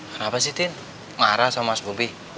kenapa sih tin marah sama mas bobi